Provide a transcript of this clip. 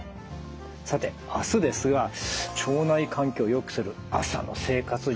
さて明日ですが腸内環境をよくする朝の生活術をお伝えします。